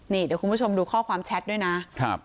นี่เดี๋ยวคุณผู้ชมดูข้อความแชทด้วยนะ